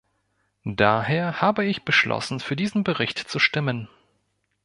Daher habe ich beschlossen, für diesen Bericht zu stimmen.